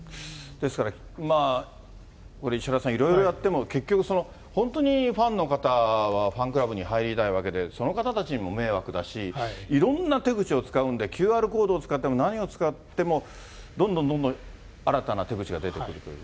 ですから、まあ、これ石原さん、いろいろやっても、結局、本当にファンの方はファンクラブに入りたいわけで、その方たちにも迷惑だし、いろんな手口を使うんで、ＱＲコードを使っても、何を使っても、どんどんどんどん新たな手口が出てくるという。